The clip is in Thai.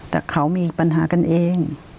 แต่เขามีปัญหากันเอง